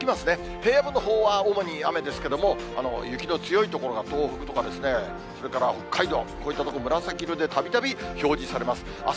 平野部のほうは主に雨ですけれども、雪の強い所が東北とか、それから北海道、こういった所、紫色でたびたび表示されます。